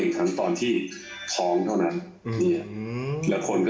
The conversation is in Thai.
ก็ดีกันเลย